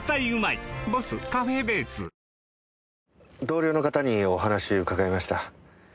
同僚の方にお話伺いました。